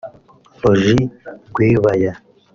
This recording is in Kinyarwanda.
Ronnie Gwebawaya